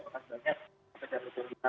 banyak banyak pekerjaan negeri kita